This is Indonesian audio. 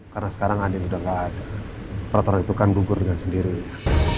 karena sekarang adil udah gak ada perotoran itu kan bubur dengan sendirinya